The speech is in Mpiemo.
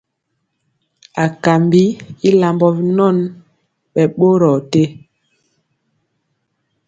Akambi i lambɔ binɔn, ɓɛ ɓorɔɔ te.